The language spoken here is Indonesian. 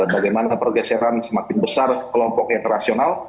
bagaimana pergeseran semakin besar kelompok yang rasional